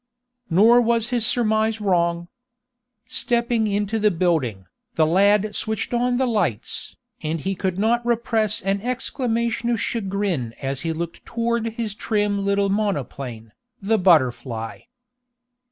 Nor was his surmise wrong. Stepping into the building, the lad switched on the lights, and he could not repress an exclamation of chagrin as he looked toward his trim little monoplane, the BUTTERFLY.